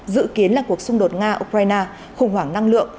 dự kiến là cuộc xung đột nga ukraine khủng hoảng năng lượng